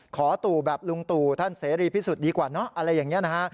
ตู่แบบลุงตู่ท่านเสรีพิสุทธิ์ดีกว่าเนอะอะไรอย่างนี้นะฮะ